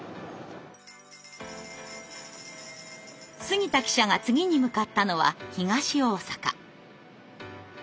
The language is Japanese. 杉田記者が次に向かったのは東大阪。